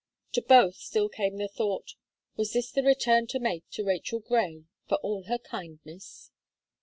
To both still came the thought: "Was this the return to make to Rachel Gray for all her kindness?"